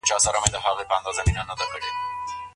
باسواده ښځه د ژوند په اړه څه ډول درک لري؟